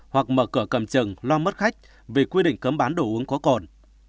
hoặc mở cửa cầm chừng lo mất khách vì quy định cấm bán đồ uống có còn